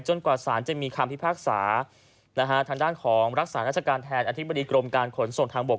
กว่าสารจะมีคำพิพากษาทางด้านของรักษาราชการแทนอธิบดีกรมการขนส่งทางบก